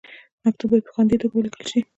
مکتوب باید په خوندي توګه ولیږل شي.